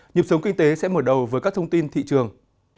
nhịp sống kinh tế sẽ mở đầu với các thông tin thị trường